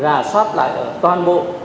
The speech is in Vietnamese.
rà soát lại toàn bộ